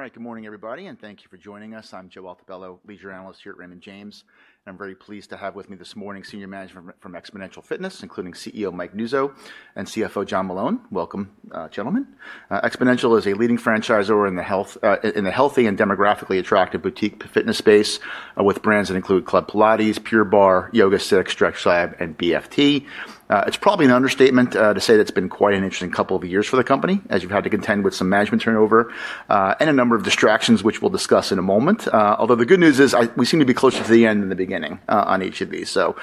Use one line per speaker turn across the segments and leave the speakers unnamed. All right, good morning, everybody, and thank you for joining us. I'm Joe Altobello, Leisure Analyst here at Raymond James. I'm very pleased to have with me this morning senior management from Xponential Fitness, including CEO Mike Nuzzo and CFO John Meloun. Welcome, gentlemen. Xponential Fitness is a leading franchisor in the healthy and demographically attractive boutique fitness space with brands that include Club Pilates, Pure Barre, YogaSix, StretchLab, and BFT. It's probably an understatement to say that it's been quite an interesting couple of years for the company, as you've had to contend with some management turnover and a number of distractions, which we'll discuss in a moment. Although the good news is we seem to be closer to the end than the beginning on each of these. So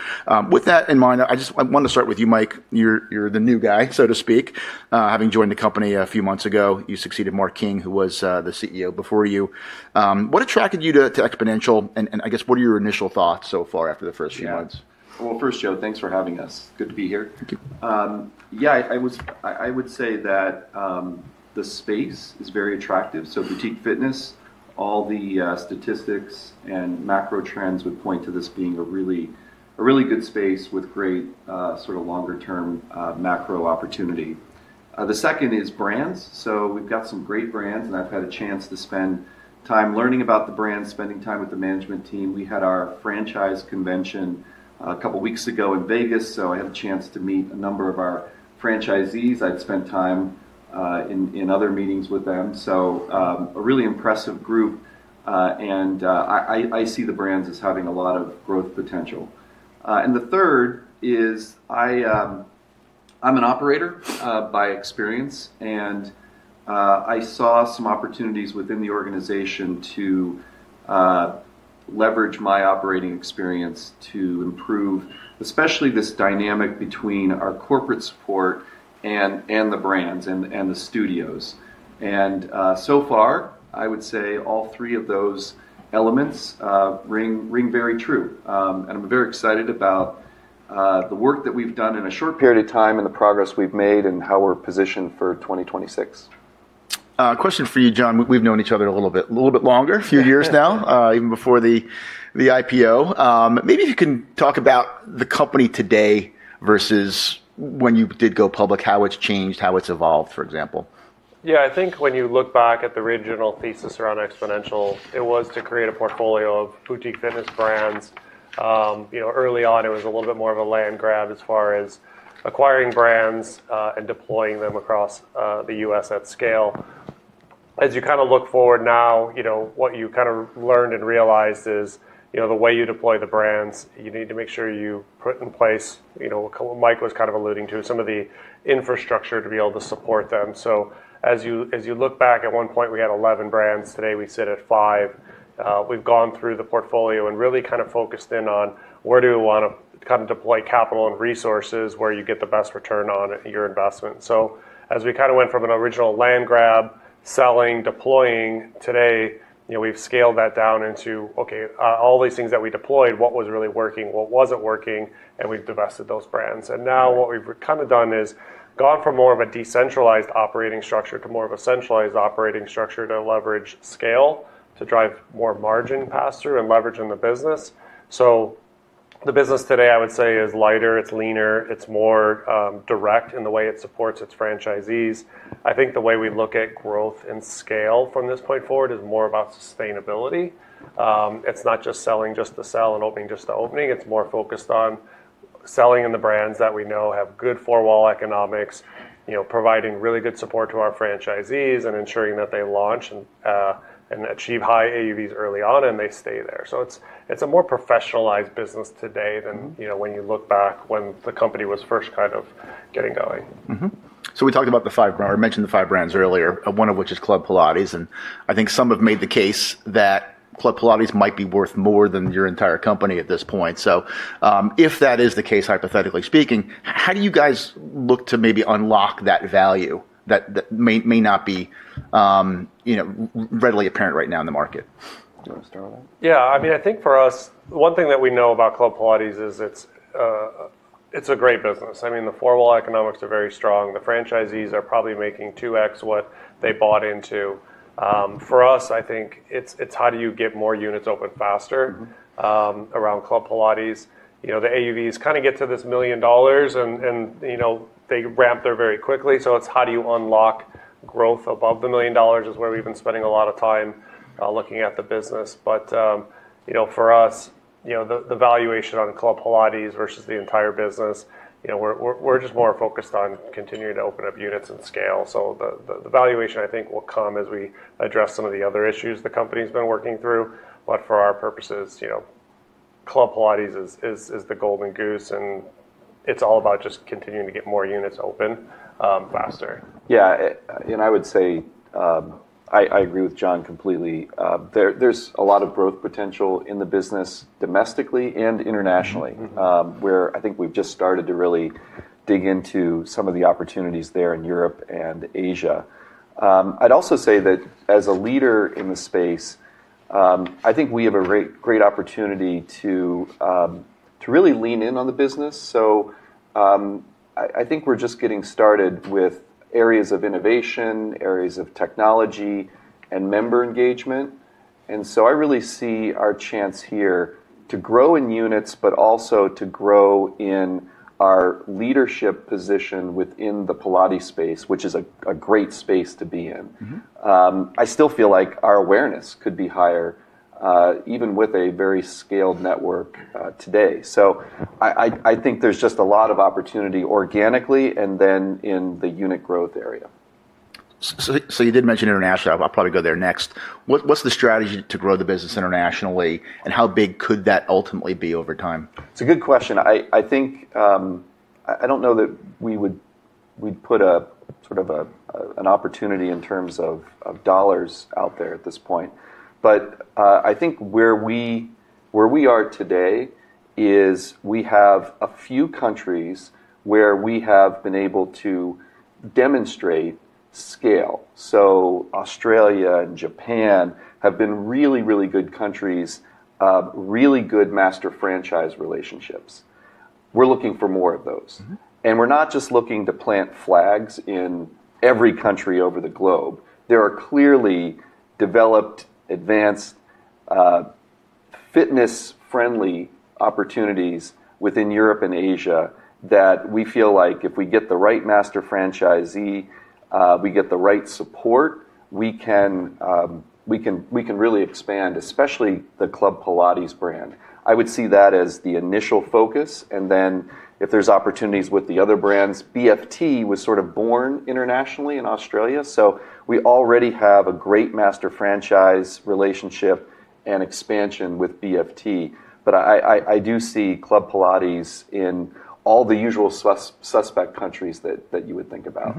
with that in mind, I just want to start with you, Mike. You're the new guy, so to speak. Having joined the company a few months ago, you succeeded Mark King, who was the CEO before you. What attracted you to Xponential? And I guess, what are your initial thoughts so far after the first few months?
First, Joe, thanks for having us. Good to be here.
Thank you.
Yeah, I would say that the space is very attractive, so boutique fitness, all the statistics and macro trends would point to this being a really good space with great longer-term macro opportunity. The second is brands. We've got some great brands, and I've had a chance to spend time learning about the brands, spending time with the management team. We had our franchise convention a couple of weeks ago in Las Vegas, so I had a chance to meet a number of our franchisees. I'd spent time in other meetings with them. A really impressive group, and I see the brands as having a lot of growth potential, and the third is I'm an operator by experience, and I saw some opportunities within the organization to leverage my operating experience to improve, especially this dynamic between our corporate support and the brands and the studios. So far, I would say all three of those elements ring very true. I'm very excited about the work that we've done in a short period of time and the progress we've made and how we're positioned for 2026.
Question for you, John. We've known each other a little bit longer, a few years now, even before the IPO. Maybe you can talk about the company today versus when you did go public, how it's changed, how it's evolved, for example.
Yeah, I think when you look back at the original thesis around Xponential, it was to create a portfolio of boutique fitness brands. Early on, it was a little bit more of a land grab as far as acquiring brands and deploying them across the U.S. at scale. As you kind of look forward now, what you kind of learned and realized is the way you deploy the brands, you need to make sure you put in place, like Mike was kind of alluding to, some of the infrastructure to be able to support them. As you look back, at one point, we had 11 brands. Today, we sit at five. We've gone through the portfolio and really kind of focused in on where do we want to kind of deploy capital and resources where you get the best return on your investment. As we kind of went from an original land grab, selling, deploying, today, we've scaled that down into, okay, all these things that we deployed, what was really working, what wasn't working, and we've divested those brands. And now what we've kind of done is gone from more of a decentralized operating structure to more of a centralized operating structure to leverage scale, to drive more margin pass-through and leverage in the business. The business today, I would say, is lighter, it's leaner, it's more direct in the way it supports its franchisees. I think the way we look at growth and scale from this point forward is more about sustainability. It's not just selling just to sell and opening just to opening. It's more focused on selling in the brands that we know have good four-wall economics, providing really good support to our franchisees and ensuring that they launch and achieve high AUVs early on and they stay there. So it's a more professionalized business today than when you look back when the company was first kind of getting going.
So we talked about the five brands. I mentioned the five brands earlier, one of which is Club Pilates. And I think some have made the case that Club Pilates might be worth more than your entire company at this point. If that is the case, hypothetically speaking, how do you guys look to maybe unlock that value that may not be readily apparent right now in the market?
Yeah, I mean, I think for us, one thing that we know about Club Pilates is it's a great business. I mean, the four-wall economics are very strong. The franchisees are probably making 2x what they bought into. For us, I think it's how do you get more units open faster around Club Pilates. The AUVs kind of get to this $1 million and they ramp there very quickly. It's how do you unlock growth above the $1 million is where we've been spending a lot of time looking at the business. But for us, the valuation on Club Pilates versus the entire business, we're just more focused on continuing to open up units and scale. So the valuation, I think, will come as we address some of the other issues the company's been working through. But for our purposes, Club Pilates is the golden goose, and it's all about just continuing to get more units open faster.
Yeah, and I would say I agree with John completely. There's a lot of growth potential in the business domestically and internationally, where I think we've just started to really dig into some of the opportunities there in Europe and Asia. I'd also say that as a leader in the space, I think we have a great opportunity to really lean in on the business. So I think we're just getting started with areas of innovation, areas of technology, and member engagement. And so I really see our chance here to grow in units, but also to grow in our leadership position within the Pilates space, which is a great space to be in. I still feel like our awareness could be higher, even with a very scaled network today. I think there's just a lot of opportunity organically and then in the unit growth area.
You did mention international. I'll probably go there next. What's the strategy to grow the business internationally, and how big could that ultimately be over time?
It's a good question. I don't know that we'd put sort of an opportunity in terms of dollars out there at this point. I think where we are today is we have a few countries where we have been able to demonstrate scale. Australia and Japan have been really, really good countries, really good master franchise relationships. We're looking for more of those. And we're not just looking to plant flags in every country over the globe. There are clearly developed, advanced, fitness-friendly opportunities within Europe and Asia that we feel like if we get the right master franchisee, we get the right support, we can really expand, especially the Club Pilates brand. I would see that as the initial focus. And then if there's opportunities with the other brands, BFT was sort of born internationally in Australia. We already have a great master franchise relationship and expansion with BFT. I do see Club Pilates in all the usual suspect countries that you would think about.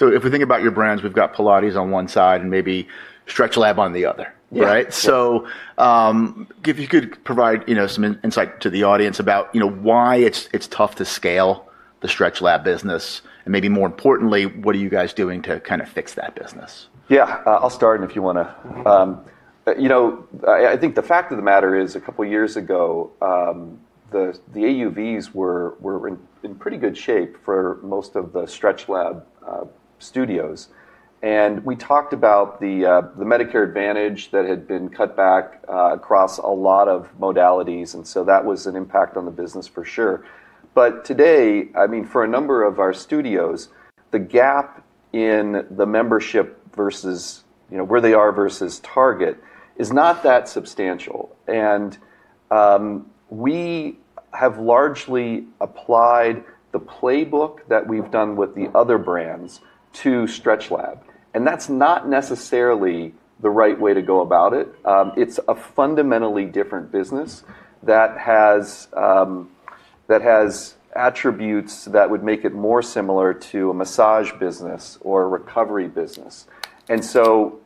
If we think about your brands, we've got Pilates on one side and maybe StretchLab on the other, right? So if you could provide some insight to the audience about why it's tough to scale the StretchLab business, and maybe more importantly, what are you guys doing to kind of fix that business?
Yeah, I'll start, and if you want to. I think the fact of the matter is a couple of years ago, the AUVs were in pretty good shape for most of the StretchLab studios. And we talked about the Medicare Advantage that had been cut back across a lot of modalities. And so that was an impact on the business, for sure. But today, I mean, for a number of our studios, the gap in the membership versus where they are versus target is not that substantial. We have largely applied the playbook that we've done with the other brands to StretchLab. That's not necessarily the right way to go about it. It's a fundamentally different business that has attributes that would make it more similar to a massage business or a recovery business.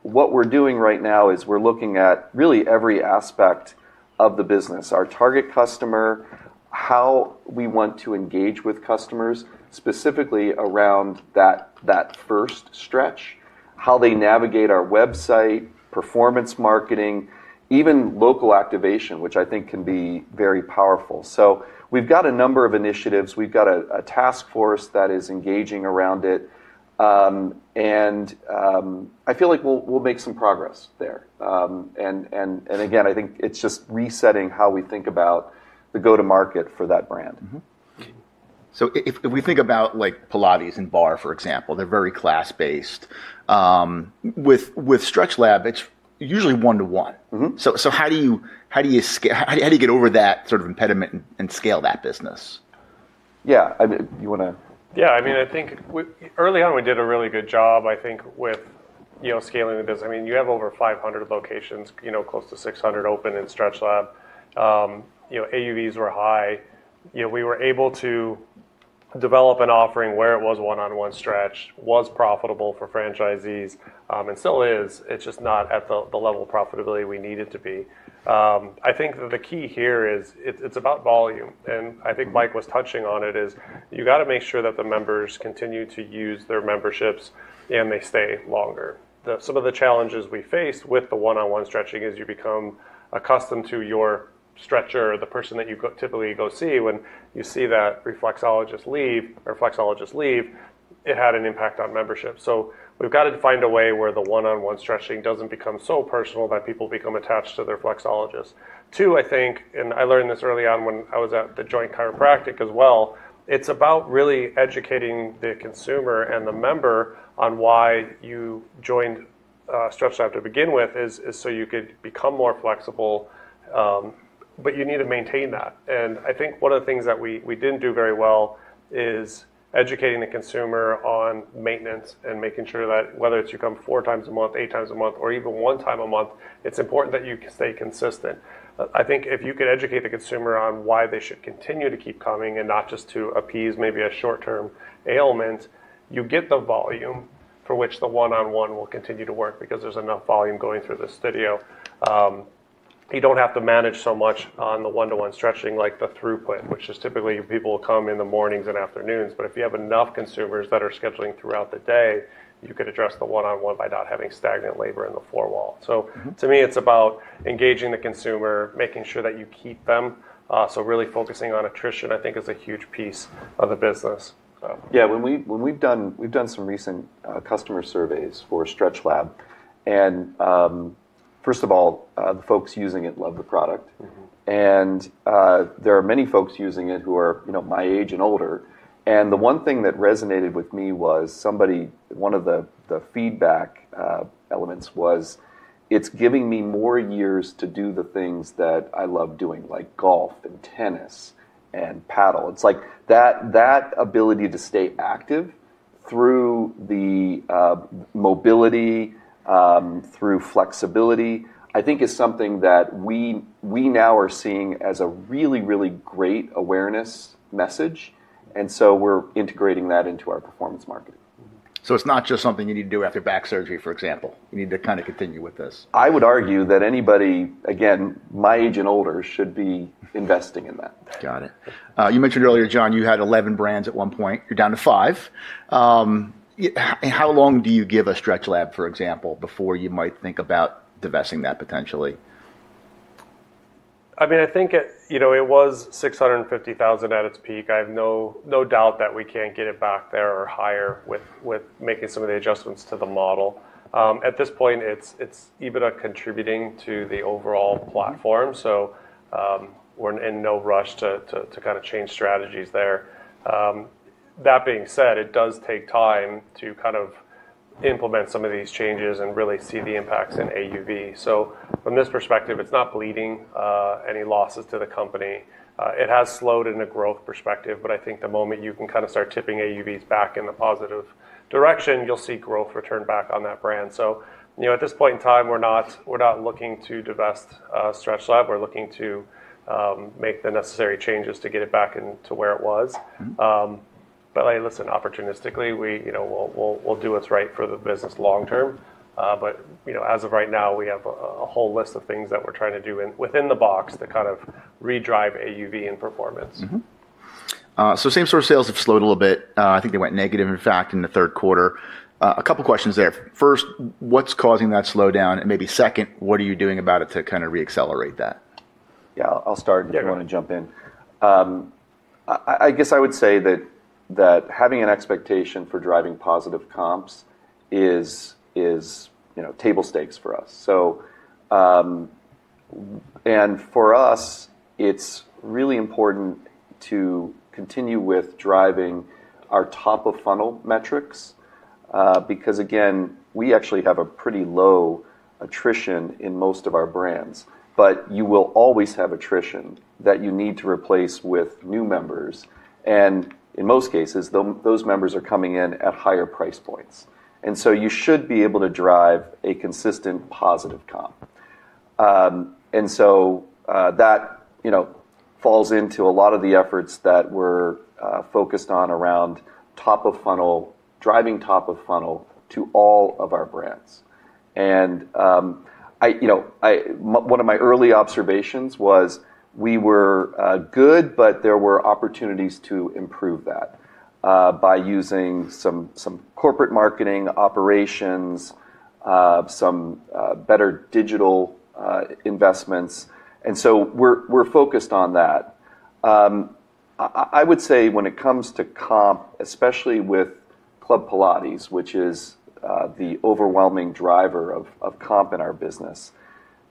What we're doing right now is we're looking at really every aspect of the business, our target customer, how we want to engage with customers, specifically around that first stretch, how they navigate our website, performance marketing, even local activation, which I think can be very powerful. We've got a number of initiatives. We've got a task force that is engaging around it. And I feel like we'll make some progress there. And again, I think it's just resetting how we think about the go-to-market for that brand.
If we think about Pilates and barre, for example, they're very class-based. With StretchLab, it's usually one-to-one. So how do you get over that sort of impediment and scale that business?
Yeah, you want to.
Yeah, I mean, I think early on, we did a really good job, I think, with scaling the business. I mean, you have over 500 locations, close to 600 open in StretchLab. AUVs were high. We were able to develop an offering where it was one-on-one stretch, was profitable for franchisees, and still is. It's just not at the level of profitability we need it to be. I think the key here is it's about volume. I think Mike was touching on it, is you got to make sure that the members continue to use their memberships and they stay longer. Some of the challenges we faced with the one-on-one stretching is you become accustomed to your stretcher, the person that you typically go see. When you see that Flexologist leave, it had an impact on membership. We've got to find a way where the one-on-one stretching doesn't become so personal that people become attached to their Flexologist. Two, I think, and I learned this early on when I was at The Joint Chiropractic as well, it's about really educating the consumer and the member on why you joined StretchLab to begin with, is so you could become more flexible. But you need to maintain that. I think one of the things that we didn't do very well is educating the consumer on maintenance and making sure that whether it's you come four times a month, eight times a month, or even one time a month, it's important that you stay consistent. I think if you could educate the consumer on why they should continue to keep coming and not just to appease maybe a short-term ailment, you get the volume for which the one-on-one will continue to work because there's enough volume going through the studio. You don't have to manage so much on the one-to-one stretching like the throughput, which is typically people will come in the mornings and afternoons. But if you have enough consumers that are scheduling throughout the day, you could address the one-on-one by not having stagnant labor in the four-wall. So to me, it's about engaging the consumer, making sure that you keep them. So really focusing on attrition, I think, is a huge piece of the business.
Yeah, when we've done some recent customer surveys for StretchLab, and first of all, the folks using it love the product, and there are many folks using it who are my age and older. The one thing that resonated with me was somebody, one of the feedback elements was, "It's giving me more years to do the things that I love doing, like golf and tennis and padel." It's like that ability to stay active through the mobility, through flexibility, I think, is something that we now are seeing as a really, really great awareness message, and so we're integrating that into our performance marketing,
So it's not just something you need to do after back surgery, for example. You need to kind of continue with this.
I would argue that anybody, again, my age and older, should be investing in that.
Got it. You mentioned earlier, John, you had 11 brands at one point. You're down to five. How long do you give a StretchLab, for example, before you might think about divesting that potentially?
I mean, I think it was 650,000 at its peak. I have no doubt that we can't get it back there or higher with making some of the adjustments to the model. At this point, it's even contributing to the overall platform. We're in no rush to kind of change strategies there. That being said, it does take time to kind of implement some of these changes and really see the impacts in AUV. So from this perspective, it's not bleeding any losses to the company. It has slowed in a growth perspective. But I think the moment you can kind of start tipping AUVs back in the positive direction, you'll see growth return back on that brand. So at this point in time, we're not looking to divest StretchLab. We're looking to make the necessary changes to get it back into where it was. But listen, opportunistically, we'll do what's right for the business long term. As of right now, we have a whole list of things that we're trying to do within the box to kind of redrive AUV and performance.
Same sort of sales have slowed a little bit. I think they went negative, in fact, in the third quarter. A couple of questions there. First, what's causing that slowdown? And maybe second, what are you doing about it to kind of reaccelerate that?
Yeah, I'll start if you want to jump in. I guess I would say that having an expectation for driving positive comps is table stakes for us. And for us, it's really important to continue with driving our top-of-funnel metrics because, again, we actually have a pretty low attrition in most of our brands. But you will always have attrition that you need to replace with new members. In most cases, those members are coming in at higher price points. So you should be able to drive a consistent positive comp. That falls into a lot of the efforts that we're focused on around top-of-funnel, driving top-of-funnel to all of our brands. One of my early observations was we were good, but there were opportunities to improve that by using some corporate marketing operations, some better digital investments. And so we're focused on that. I would say when it comes to comp, especially with Club Pilates, which is the overwhelming driver of comp in our business,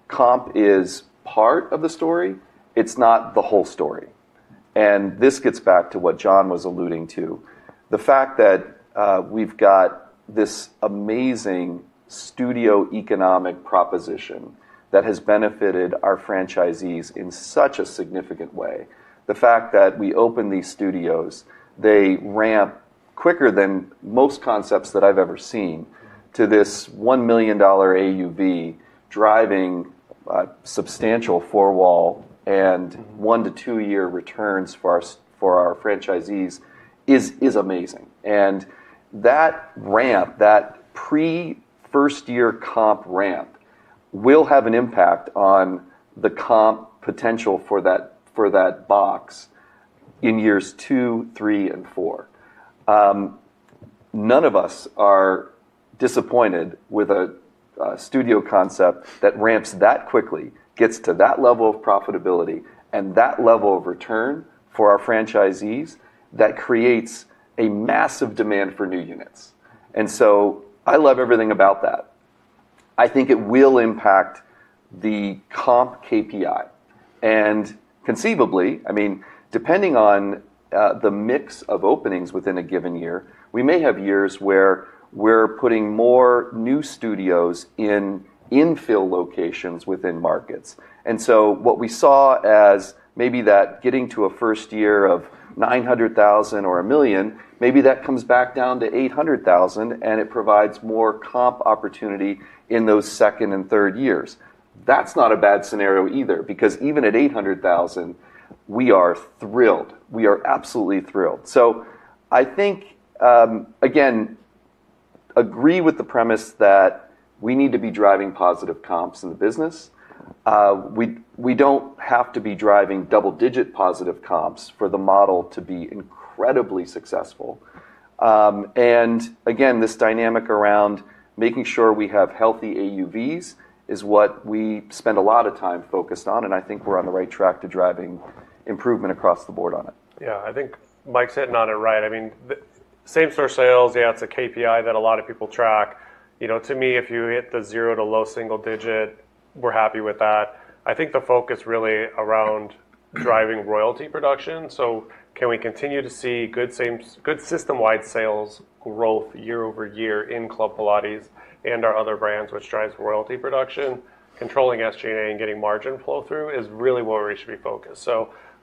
comp is part of the story. It's not the whole story. And this gets back to what John was alluding to, the fact that we've got this amazing studio economic proposition that has benefited our franchisees in such a significant way. The fact that we open these studios, they ramp quicker than most concepts that I've ever seen to this $1 million AUV, driving substantial four-wall and one to two-year returns for our franchisees is amazing. That ramp, that pre-first-year comp ramp, will have an impact on the comp potential for that box in years two, three, and four. None of us are disappointed with a studio concept that ramps that quickly, gets to that level of profitability, and that level of return for our franchisees that creates a massive demand for new units, and so I love everything about that. I think it will impact the comp KPI, and conceivably, I mean, depending on the mix of openings within a given year, we may have years where we're putting more new studios in infill locations within markets, and so what we saw as maybe that getting to a first year of 900,000 or a million, maybe that comes back down to 800,000, and it provides more comp opportunity in those second and third years. That's not a bad scenario either because even at 800,000, we are thrilled. We are absolutely thrilled. So, I think, again, I agree with the premise that we need to be driving positive comps in the business. We don't have to be driving double-digit positive comps for the model to be incredibly successful. And again, this dynamic around making sure we have healthy AUVs is what we spend a lot of time focused on. And I think we're on the right track to driving improvement across the board on it.
Yeah, I think Mike said it on it right. I mean, same-store sales, yeah, it's a KPI that a lot of people track. To me, if you hit the zero to low single digit, we're happy with that. I think the focus really around driving royalty production. Can we continue to see good system-wide sales growth year-over-year in Club Pilates and our other brands, which drives royalty production? Controlling SG&A and getting margin flow through is really where we should be focused.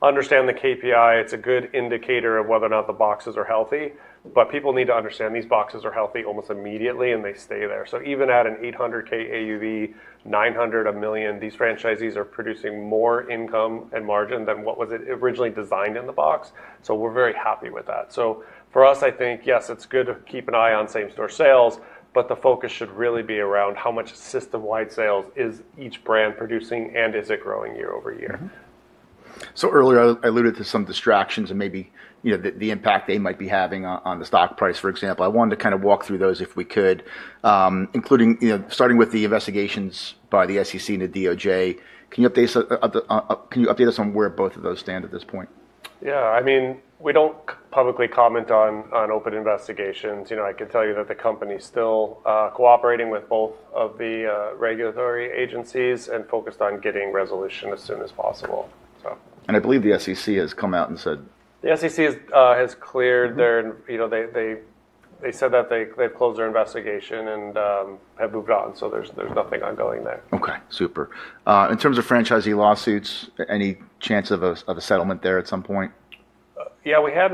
Understand the KPI. It's a good indicator of whether or not the boxes are healthy. But people need to understand these boxes are healthy almost immediately, and they stay there. So even at an 800K AUV, 900, a million, these franchisees are producing more income and margin than what was originally designed in the box. We're very happy with that. So for us, I think, yes, it's good to keep an eye on same-store sales, but the focus should really be around how much system-wide sales is each brand producing and is it growing year-over-year?
Earlier, I alluded to some distractions and maybe the impact they might be having on the stock price, for example. I wanted to kind of walk through those if we could, including starting with the investigations by the SEC and the DOJ. Can you update us on where both of those stand at this point?
Yeah, I mean, we don't publicly comment on open investigations. I can tell you that the company is still cooperating with both of the regulatory agencies and focused on getting resolution as soon as possible.
I believe the SEC has come out and said.
The SEC has cleared their investigation. They said that they have closed their investigation and have moved on, so there's nothing ongoing there.
Okay, super. In terms of franchisee lawsuits, any chance of a settlement there at some point?
Yeah, we have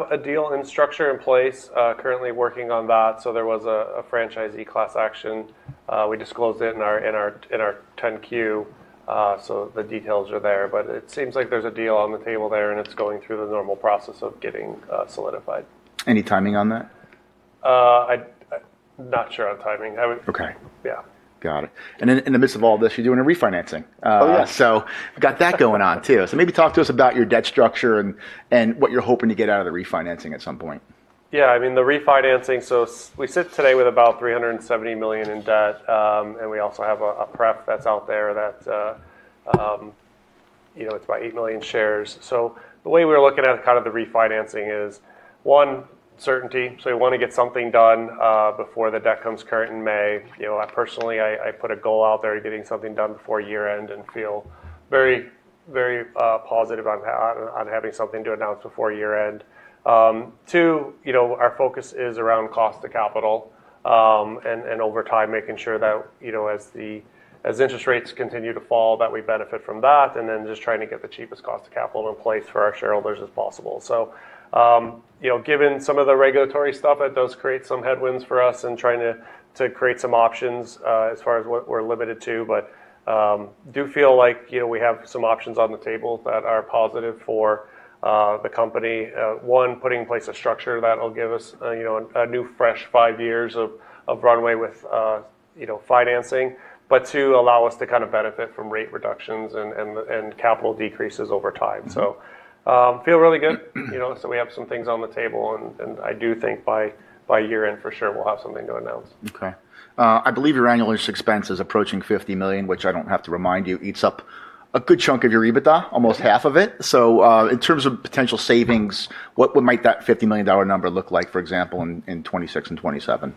a deal and structure in place, currently working on that. There was a franchisee class action. We disclosed it in our 10-Q. So the details are there. But it seems like there's a deal on the table there, and it's going through the normal process of getting solidified.
Any timing on that?
I'm not sure on timing.
Okay.
Yeah.
Got it. In the midst of all this, you're doing a refinancing.
Oh, yes.
Got that going on too. So maybe talk to us about your debt structure and what you're hoping to get out of the refinancing at some point.
Yeah, I mean, the refinancing. We sit today with about $370 million in debt. We also have a Pref that's out there that's about 8 million shares. The way we're looking at kind of the refinancing is, one, certainty. So we want to get something done before the debt comes current in May. Personally, I put a goal out there getting something done before year-end and feel very, very positive on having something to announce before year-end. Two, our focus is around cost of capital and over time making sure that as interest rates continue to fall, that we benefit from that. And then just trying to get the cheapest cost of capital in place for our shareholders as possible. So, given some of the regulatory stuff, that does create some headwinds for us and trying to create some options as far as what we're limited to. But do feel like we have some options on the table that are positive for the company. One, putting in place a structure that will give us a new fresh five years of runway with financing. But two, allow us to kind of benefit from rate reductions and capital decreases over time. Feel really good. We have some things on the table. And I do think by year-end, for sure, we'll have something to announce.
Okay. I believe your annual expense is approaching $50 million, which I don't have to remind you eats up a good chunk of your EBITDA, almost half of it. In terms of potential savings, what might that $50 million number look like, for example, in 2026 and 2027?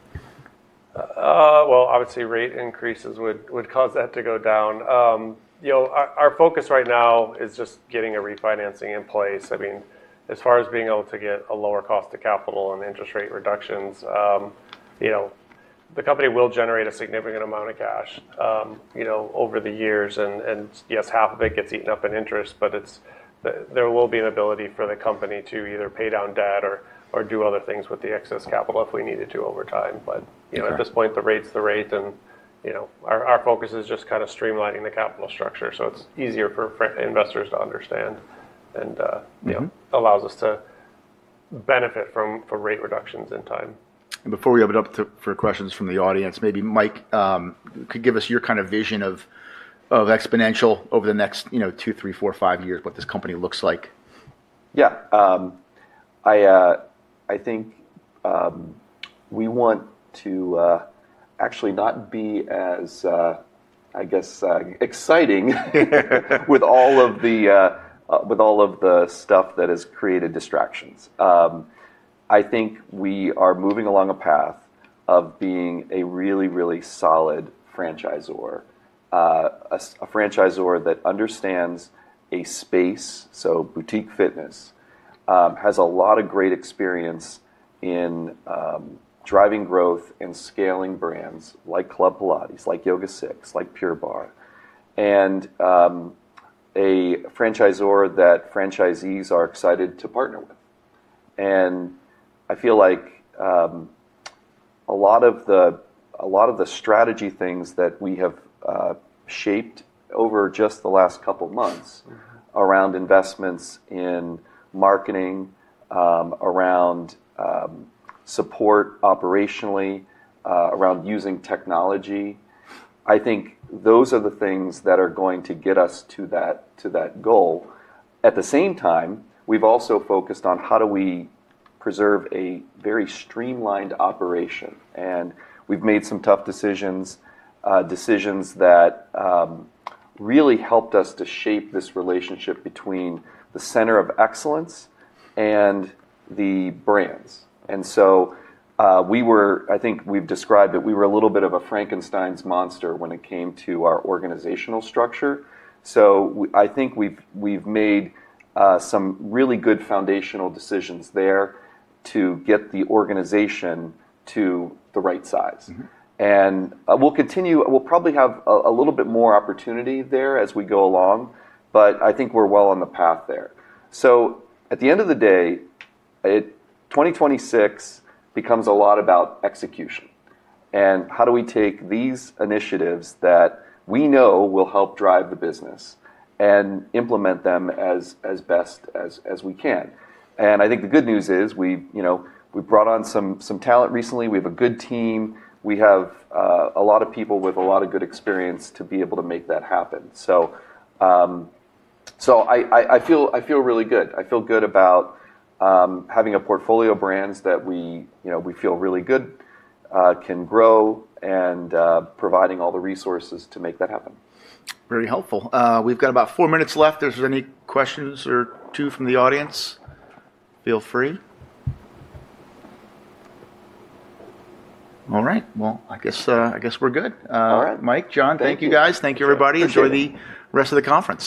Obviously, rate increases would cause that to go down. Our focus right now is just getting a refinancing in place. I mean, as far as being able to get a lower cost of capital and interest rate reductions, the company will generate a significant amount of cash over the years. And yes, half of it gets eaten up in interest. But there will be an ability for the company to either pay down debt or do other things with the excess capital if we need to do over time. At this point, the rate's the rate. Our focus is just kind of streamlining the capital structure. It's easier for investors to understand and allows us to benefit from rate reductions in time.
Before we open up for questions from the audience, maybe Mike could give us your kind of vision of Xponential over the next two, three, four, five years, what this company looks like.
Yeah. I think we want to actually not be as, I guess, exciting with all of the stuff that has created distractions. I think we are moving along a path of being a really, really solid franchisor, a franchisor that understands a space. So boutique fitness has a lot of great experience in driving growth and scaling brands like Club Pilates, like YogaSix, like Pure Barre, and a franchisor that franchisees are excited to partner with. I feel like a lot of the strategy things that we have shaped over just the last couple of months around investments in marketing, around support operationally, around using technology, I think those are the things that are going to get us to that goal. At the same time, we've also focused on how do we preserve a very streamlined operation. We've made some tough decisions, decisions that really helped us to shape this relationship between the Center of Excellence and the brands. We were, I think we've described it, we were a little bit of a Frankenstein's monster when it came to our organizational structure. So I think we've made some really good foundational decisions there to get the organization to the right size. We'll probably have a little bit more opportunity there as we go along. But I think we're well on the path there. So at the end of the day, 2026 becomes a lot about execution and how do we take these initiatives that we know will help drive the business and implement them as best as we can? And I think the good news is we brought on some talent recently. We have a good team. We have a lot of people with a lot of good experience to be able to make that happen. I feel really good. I feel good about having a portfolio of brands that we feel really good can grow and providing all the resources to make that happen.
Very helpful. We've got about four minutes left. If there's any questions or two from the audience, feel free. All right. Well, I guess we're good. All right, Mike, John, thank you guys. Thank you, everybody. Enjoy the rest of the conference.